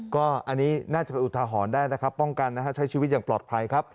ก็อันนี้น่าจะเป็นอุทหรณ์ได้นะครับป้องกันนะฮะใช้ชีวิตอย่างปลอดภัยครับ